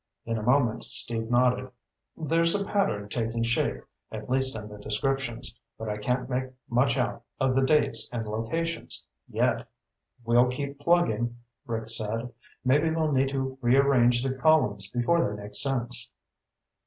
In a moment Steve nodded. "There's a pattern taking shape, at least in the descriptions. But I can't make much out of the dates and locations, yet." "We'll keep plugging," Rick said. "Maybe we'll need to rearrange the columns before they make sense."